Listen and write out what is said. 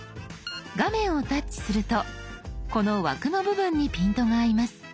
画面をタッチするとこの枠の部分にピントが合います。